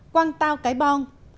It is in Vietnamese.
quang tao cái bong